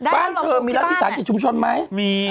บ้านเธอมีร้านพิสารกิจชุมชนไหม